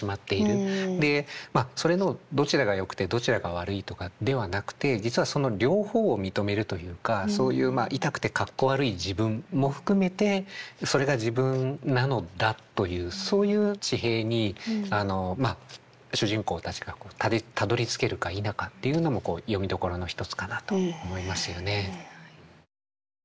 でそれのどちらがよくてどちらが悪いとかではなくて実はその両方を認めるというかそういう痛くてかっこ悪い自分も含めてそれが自分なのだというそういう地平にまあ主人公たちがたどりつけるか否かっていうのも読みどころの一つかなと思いますよね。